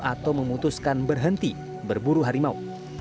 atau memutuskan berhenti berburu harimau